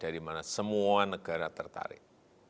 dari mana semua negara tertarik